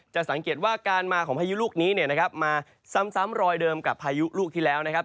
สังเกตว่าการมาของพายุลูกนี้เนี่ยนะครับมาซ้ำรอยเดิมกับพายุลูกที่แล้วนะครับ